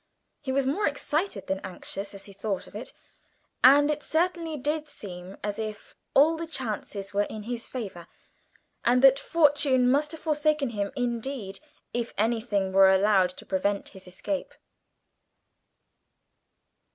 He was more excited than anxious as he thought of it, and it certainly did seem as if all the chances were in his favour, and that fortune must have forsaken him indeed, if anything were allowed to prevent his escape.